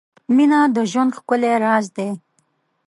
• مینه د ژوند ښکلی راز دی.